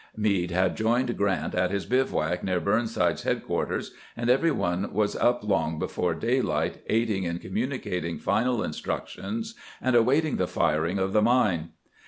Meade had joined Grant at his bivouac near Burnside's headquarters, and every one was up long before daylight, aiding in communicating final instructions and awaiting the firing of the mine.